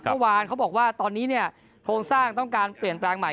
เมื่อวานเขาบอกว่าตอนนี้โครงสร้างต้องการเปลี่ยนแปลงใหม่